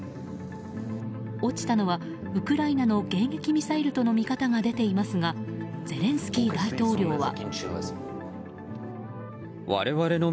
落ちたのはウクライナの迎撃ミサイルとの見方が出ていますがゼレンスキー大統領は。